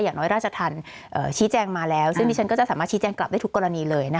อย่างน้อยราชธรรมชี้แจงมาแล้วซึ่งดิฉันก็จะสามารถชี้แจงกลับได้ทุกกรณีเลย